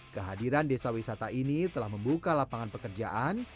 kehadiran desa wisata ini telah membuka lapangan pekerjaan